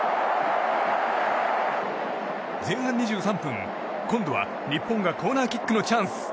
前半２３分、今度は日本がコーナーキックのチャンス。